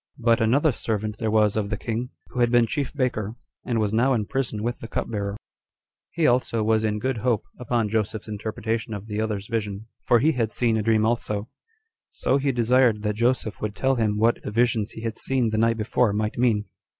3. But another servant there was of the king, who had been chief baker, and was now bound in prison with the cupbearer; he also was in good hope, upon Joseph's interpretation of the other's vision, for he had seen a dream also; so he desired that Joseph would tell him what the visions he had seen the night before might mean.